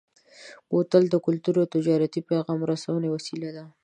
بوتل د کلتوري او تجارتي پیغام رسونې وسیله ده.